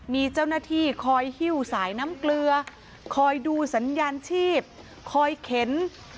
มีเจ้าหน้าที่คอยหิ้วสายน้ำเกลือคอยดูสัญญาณชีพคอยเข็น